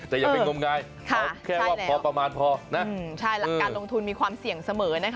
แต่อย่าไปงมงายเขาแค่ว่าพอประมาณพอนะใช่หลักการลงทุนมีความเสี่ยงเสมอนะคะ